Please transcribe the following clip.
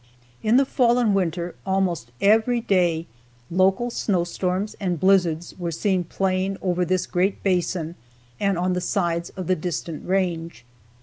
In the fall and winter almost every day local snowstorms and blizzards were seen playing over this great basin and on the sides of the distant range.